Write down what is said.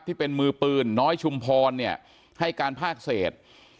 ที่เป็นมือปืนน้อยชุมพรเนี่ยให้การภาคเศษ